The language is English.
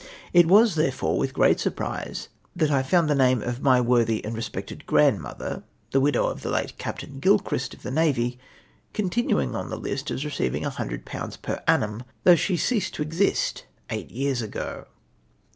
It was, therefore, with gi'eat surprise that I found the name of my worthy and respected grandmother, the widow of the late Captain Gilchrist of the navy, continuing on the list as receiving 100/. per annum, though she ceased to exist eight years ago!'''